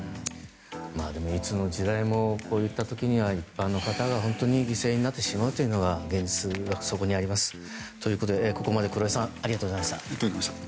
でも、いつの時代もこういった時には一般の方が犠牲になってしまうという現実がそこにあります。ということでここまで黒井さんありがとうございました。